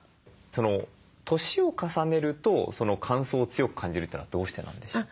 年を重ねると乾燥を強く感じるというのはどうしてなんでしょうか？